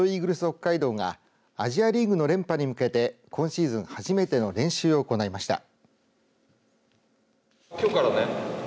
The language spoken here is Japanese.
北海道がアジアリーグの連覇に向けて今シーズン初めての練習を行いました。